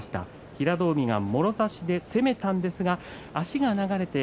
平戸海が、もろ差しで攻めたんですが足が流れて